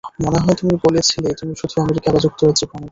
মনে হয় তুমি বলেছিলে তুমি শুধু আমেরিকা বা যুক্তরাজ্যে ভ্রমণ করবে?